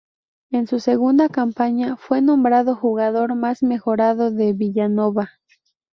En su segunda campaña fue nombrado jugador más mejorado de Villanova.